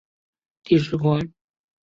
达乌里黄耆为豆科黄芪属的植物。